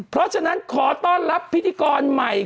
เพราะฉะนั้นขอต้อนรับพิธีกรใหม่